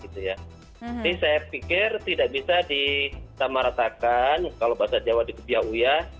jadi saya pikir tidak bisa ditamaratakan kalau bahasa jawa dikepia uya